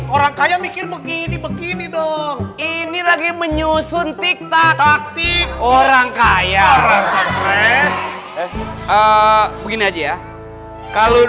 orang kaya mikir begini begini dong ini lagi menyusun tiktak orang kaya begini aja ya kalau